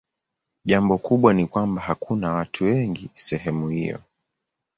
Jambo kubwa ni kwamba hakuna watu wengi sehemu hiyo.